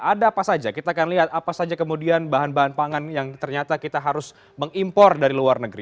ada apa saja kita akan lihat apa saja kemudian bahan bahan pangan yang ternyata kita harus mengimpor dari luar negeri